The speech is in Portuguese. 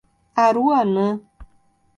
Aruanã